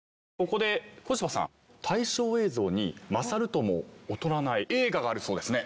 ここで小芝さん大賞映像に勝るとも劣らない映画があるそうですね。